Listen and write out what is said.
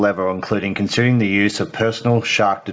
termasuk menggunakan penggunaan penggunaan penggunaan ikan hiu pribadi